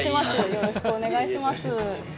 よろしくお願いします。